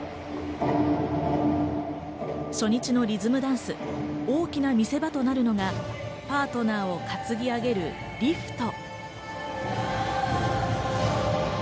初日のリズムダンス、大きな見せ場となるのがパートナーを担ぎ上げるリフト。